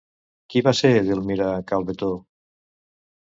Qui va ser Edelmira Calvetó?